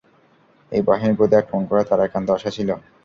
এই বাহিনীর প্রতি আক্রমণ করা তার একান্ত আশা ছিল।